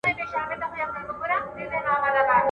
يا كوشنيان زېږول دي